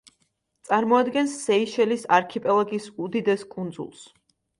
წარმოადგენს სეიშელის არქიპელაგის უდიდეს კუნძულს.